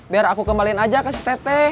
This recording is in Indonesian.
biar aku kembalin aja ke si teteh